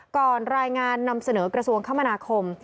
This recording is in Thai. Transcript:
ก่อนรายงานนำเสนอกระทรวงคมนาคม